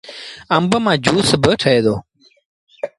آݩب مآݩ جُوس با ٺهي دو۔